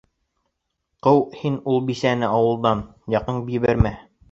Ҡыу һин ул бисәне ауылдан, яҡын ебәрмә.